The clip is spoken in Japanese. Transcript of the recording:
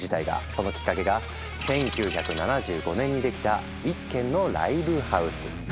そのきっかけが１９７５年にできた一軒のライブハウス。